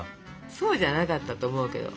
そうじゃなかったと思うけど。